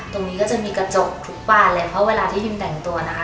ตรงนี้ก็จะมีกระจกทุกบานเลยเพราะเวลาที่ดิมแต่งตัวนะคะ